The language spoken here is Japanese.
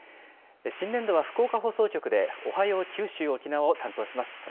新年度は福岡放送局でおはよう九州・沖縄を担当します。